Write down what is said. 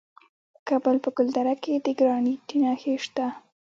د کابل په ګلدره کې د ګرانیټ نښې شته.